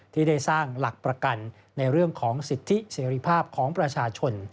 ที่ได้สร้างหลักประกันในเรื่องของสิทธิเสรีภาพของประชาชน